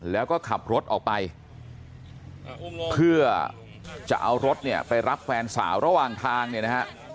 แล้วก็ขับรถออกไปเพื่อจะเอารถเนี่ยไปรับแฟนสาวระหว่างทางเนี่ยนะฮะ